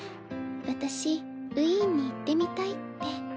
私ウィーンに行ってみたいって。